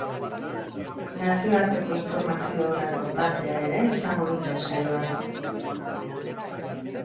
Nazioarteko informaziorako tartea ere izango dute saioan.